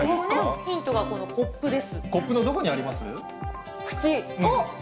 ヒントは、このコップです。